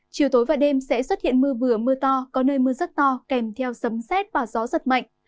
chiều tối và đêm sẽ xuất hiện mưa vừa mưa to có nơi mưa rất to kèm theo sấm xét và gió giật mạnh